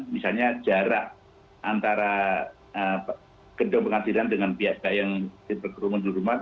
misalnya jarak antara gedung penghasilan dengan pihak yang dipergurungan di rumah